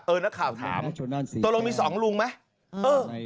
เออนักข่าวถามตรงนั้นมีสองลุงไหม